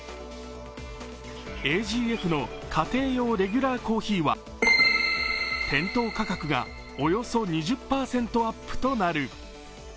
ＡＧＦの家庭用レギュラーコーヒーは店頭価格がおよそ２０％アップとなる。